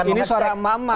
ini suara mama